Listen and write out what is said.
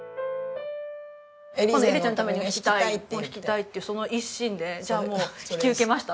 『エリーゼのために』を弾きたいっていうその一心でじゃあもう引き受けましたっていう。